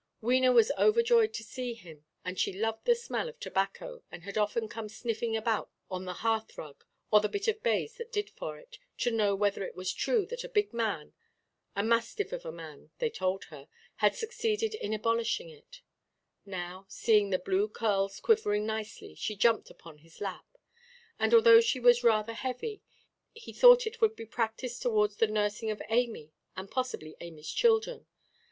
Wena was overjoyed to see him, and she loved the smell of tobacco, and had often come sniffing about on the hearth–rug (or the bit of baize that did for it) to know whether it was true that a big man—a mastiff of a man, they told her—had succeeded in abolishing it; now, seeing the blue curls quivering nicely, she jumped upon his lap; and, although she was rather heavy, he thought it would be practice towards the nursing of Amy, and possibly Amyʼs children.